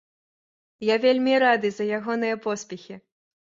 Я вельмі рады за ягоныя поспехі!